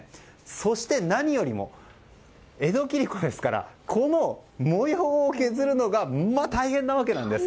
そして、何よりも江戸切子ですからこの模様を削るのがまあ大変なわけです。